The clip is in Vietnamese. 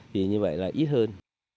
thì như vậy là ít hơn